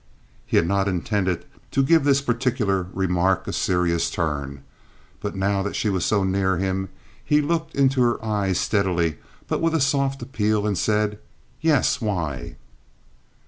He had not intended to give this particular remark a serious turn; but, now that she was so near him, he looked into her eyes steadily but with a soft appeal and said, "Yes, why?"